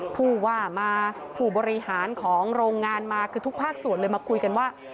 ผู้ว่ามาผู้บริหารของโรงงานมาคือทุกภาคส่วนเลยมาคุยกันว่า